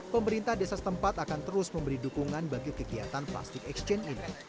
pemerintah desa setempat akan terus memberi dukungan bagi kegiatan plastik exchange ini